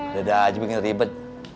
dada aja bikin ribet